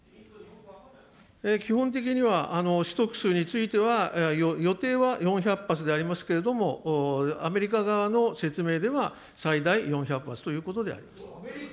基本的には取得数については予定は４００発でありますけれども、アメリカ側の説明では最大４００発ということであります。